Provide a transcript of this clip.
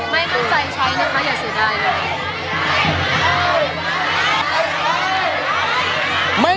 ไม่ตั้งใจใช้นะคะอย่าเสียดายเลย